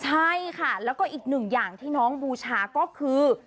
ใช่ค่ะแล้วก็อีกหนึ่งอย่างที่น้องบูชาก็คือ